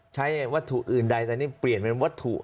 ใช้วัตถุอื่นใดตอนนี้เปลี่ยนเป็นวัตถุ